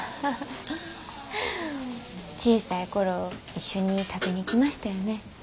小さい頃一緒に食べに来ましたよね。